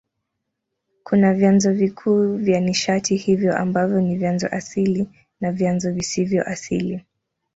Kuna vyanzo vikuu vya nishati hiyo ambavyo ni vyanzo asili na vyanzo visivyo asili.